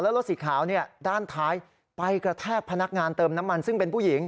รถสีขาวด้านท้ายไปกระแทกพนักงานเติมน้ำมันซึ่งเป็นผู้หญิง